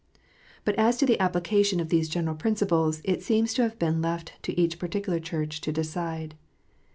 But as to the application of these general principles, it seems to have been left to each particular Church to decide.